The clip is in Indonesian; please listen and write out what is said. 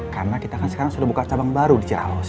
karena kita kan sekarang sudah buka cabang baru di ciraos